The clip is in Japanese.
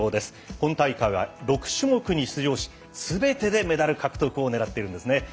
今大会は６種目に出場しすべてでメダル獲得を狙っているんですね。